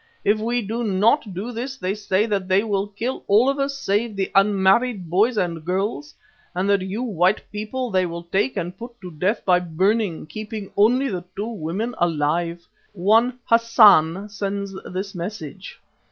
If we do not do this they say that they will kill all of us save the unmarried boys and girls, and that you white people they will take and put to death by burning, keeping only the two women alive. One Hassan sends this message."